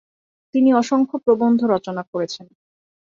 তিনি অসংখ্য প্রবন্ধ রচনা করেছেন।